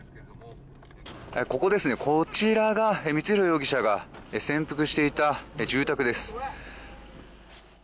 こちらが光弘容疑者が潜伏していた住宅です。